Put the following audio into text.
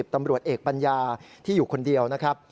ตำรวจเอกปัญญาที่อยู่คนเดียวนะครับ